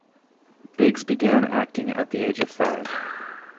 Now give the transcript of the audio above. Biggs began acting at the age of five.